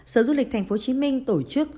sở du lịch tp hcm tổ chức